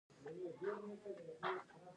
د ننګرهار په کوز کونړ کې د څه شي نښې دي؟